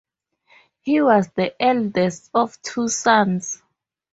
He was the eldest of two sons.